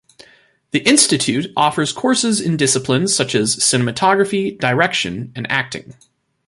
The institute offers courses in disciplines such as cinematography, direction and acting.